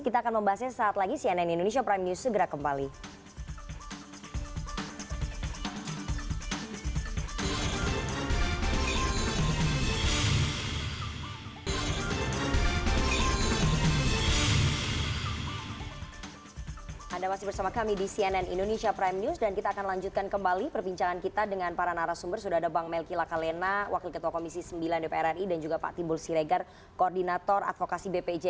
kita akan membahasnya saat lagi di cnn indonesia prime news